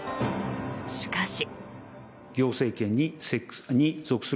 しかし。